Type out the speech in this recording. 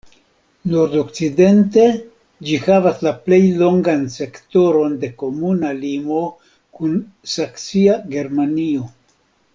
Nordokcidente ĝi havas la plej longan sektoron de komuna limo kun saksia Germanio.